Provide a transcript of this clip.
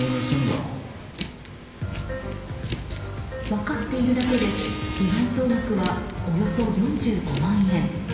分かっているだけで被害総額は、およそ４５万円。